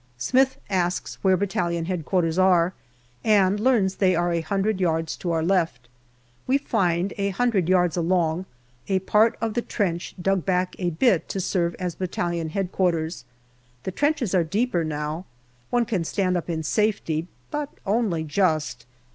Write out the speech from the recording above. Smith asks where Battalion H.Q. are, and learns they are a hundred yards to our left. We find, a hundred yards along, a part of the trench dug back a bit to serve as Battalion H.Q. The trenches are deeper now ; one can stand up in safety, but only just.